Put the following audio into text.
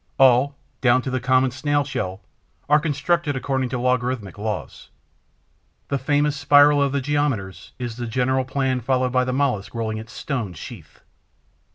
All, down to the common Snail shell, are constructed according to logarithmic laws. The famous spiral of the geometers is the general plan followed by the Mollusc rolling its stone sheath.